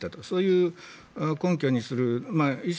そういう根拠にする。